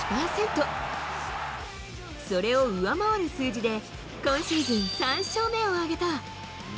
それを上回る数字で、今シーズン、３勝目を挙げた。